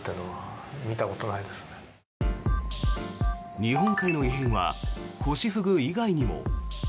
日本海の異変はホシフグ以外にも。